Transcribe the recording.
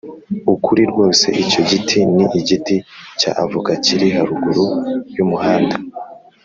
ukuri rwose icyo giti ni igiti cya avoka kiri haruguru y’umuhanda.”